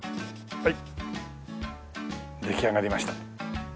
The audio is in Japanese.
はい。